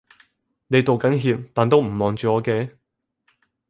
你道緊歉但都唔望住我嘅